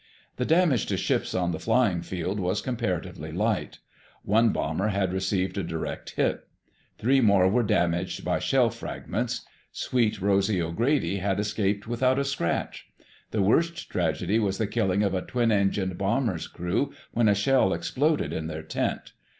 The damage to ships on the flying field was comparatively light. One bomber had received a direct hit. Three more were damaged by shell fragments. Sweet Rosy O'Grady had escaped without a scratch. The worst tragedy was the killing of a twin engined bomber's crew when a shell exploded in their tent.